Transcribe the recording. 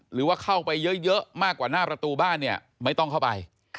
หรือว่าเข้าไปเยอะมากกว่าหน้าประตูบ้านเนี่ยไม่ต้องเข้าไป